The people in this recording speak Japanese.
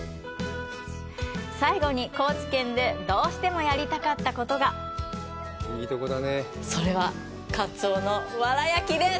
最後に、高知県でどうしてもやりたかったことがそれは、カツオの藁焼きです！